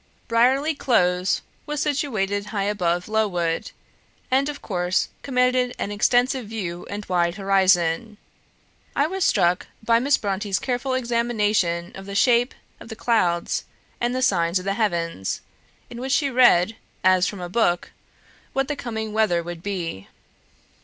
"Brierly Close was situated high above Low wood, and of course commanded an extensive view and wide horizon. I was struck by Miss Brontë's careful examination of the shape of the clouds and the signs of the heavens, in which she read, as from a book, what the coming weather would be.